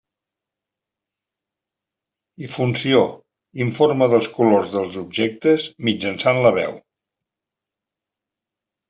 Funció: informa dels colors dels objectes mitjançant la veu.